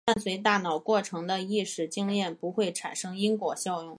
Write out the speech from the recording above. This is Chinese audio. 伴随大脑过程的意识经验不会产生因果效用。